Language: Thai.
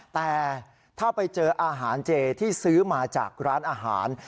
แต่ถ้าไปเจออาหารเจที่ซื้อมาจากร้านอาหาร